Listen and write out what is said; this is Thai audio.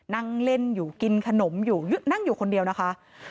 นั่งเล่นอยู่กินขนมอยู่นั่งอยู่คนเดียวนะคะ